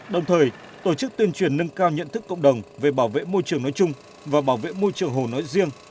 đồng thời tổ chức tuyên truyền nâng cao nhận thức cộng đồng về bảo vệ môi trường nói chung và bảo vệ môi trường hồ nói riêng